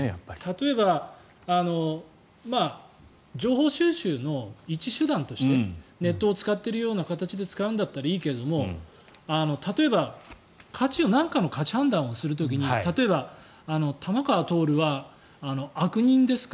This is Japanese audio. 例えば情報収集の一手段としてネットを使っているような形で使うんだったらいいけれども例えばなんかの価値判断をする時に例えば、玉川徹は悪人ですか